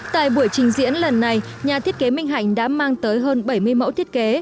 tại buổi trình diễn lần này nhà thiết kế minh hạnh đã mang tới hơn bảy mươi mẫu thiết kế